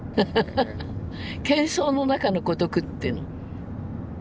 けん騒の中の孤独っていうの。